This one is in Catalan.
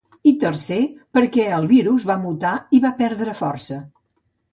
I tercer, perquè el virus va mutar i va perdre força.